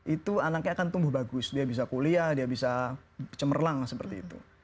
itu anaknya akan tumbuh bagus dia bisa kuliah dia bisa cemerlang seperti itu